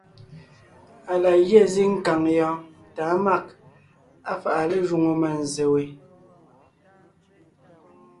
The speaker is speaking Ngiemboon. Á la gyɛ́ zíŋ kàŋ yɔɔn tà á mâg, á fáʼa lé jwoŋo mânzse we,